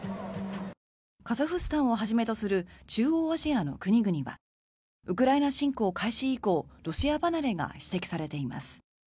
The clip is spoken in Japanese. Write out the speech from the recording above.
カザフスタンをはじめとする中央アジアの国々はウクライナ侵攻開始以降ロシア離れが指摘されています。